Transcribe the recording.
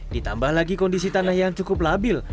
ditambah lagi kondisi tanah yang cukup labil